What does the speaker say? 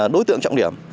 đối tượng trọng điểm